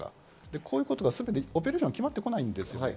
そういうことのオペレーションが決まってこないんですよ。